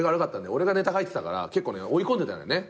俺がネタ書いてたから結構ね追い込んでたんだね。